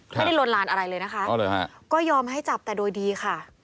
ลวนลานอะไรเลยนะคะก็ยอมให้จับแต่โดยดีค่ะ